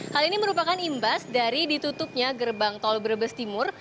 hal ini merupakan imbas dari ditutupnya gerbang tol brebes timur